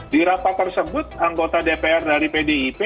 di rapat tersebut anggota dpr dari pdip